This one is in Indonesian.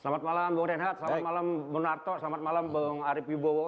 selamat malam bang ringhat selamat malam bang narto selamat malam bang arief wibowo